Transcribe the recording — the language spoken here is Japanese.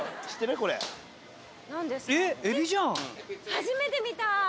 初めて見た。